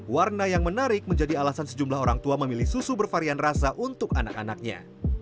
warna yang menarik menjadi alasan sejumlah orang tua memilih susu bervarian rasa untuk anak anaknya